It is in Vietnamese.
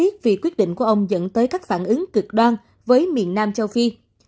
tiếc vì quyết định của ông dẫn tới các phản ứng cực đoan với miền nam châu phi